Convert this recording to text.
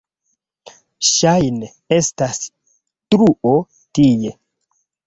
Ŝajne estas truo tie.